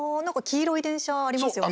黄色い電車ありますよね。